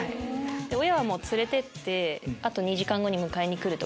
親は連れてって２時間後に迎えに来るとか。